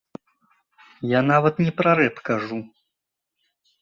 Я нават не пра рэп кажу.